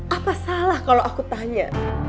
apa salah kalau aku tanya